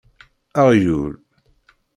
Aɣyul!